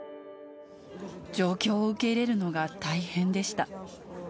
状況を受け入れるのが大変でした。